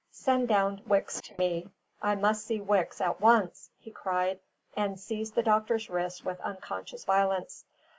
"Send down Wicks to me; I must see Wicks at once!" he cried, and seized the doctor's wrist with unconscious violence.